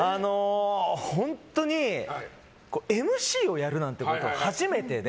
本当にＭＣをやるなんてこと初めてで。